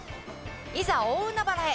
「いざ大海原へ！